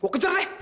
gua kejar deh